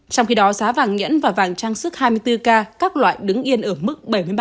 trong khi đó giá vàng nhẫn và vàng trang sức hai mươi bốn k các loại đứng yên ở mức bảy mươi ba